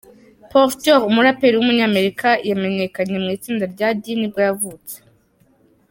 Porter, umuraperi w’umunyamerika wamenyekanye mu itsinda rya D nibwo yavutse.